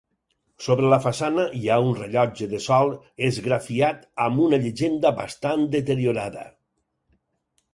Sobre la façana hi ha un rellotge de sol esgrafiat amb una llegenda bastant deteriorada.